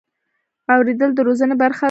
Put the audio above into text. اورېدل د روزنې برخه ده.